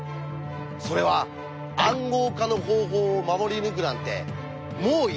それは「暗号化の方法」を守り抜くなんてもうやめよう！